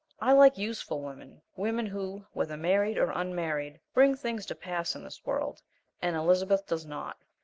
I like useful women women who, whether married or unmarried, bring things to pass in this world, and Elizabeth does not.